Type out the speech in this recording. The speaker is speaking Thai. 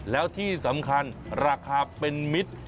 แล้วที่สำคัญราคาเป็นมิตร